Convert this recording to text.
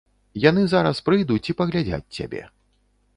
Яны зараз прыйдуць і паглядзяць цябе.